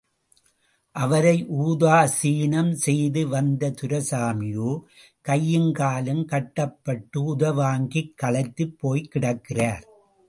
அவரை உதாசீனம் செய்து வந்த துரைசாமியோ, கையும் காலும் கட்டப்பட்டு உதைவாங்கிக் களைத்து போய்கிடக்கிறார்.